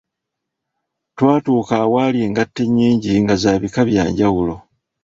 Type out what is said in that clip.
Twatuuka awaali engatto enyingi nga za bika byanjawulo.